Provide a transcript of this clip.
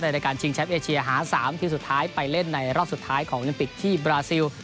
รายการชิงแชมป์เอเชียหา๓ทีมสุดท้ายไปเล่นในรอบสุดท้ายของโอลิมปิกที่บราซิล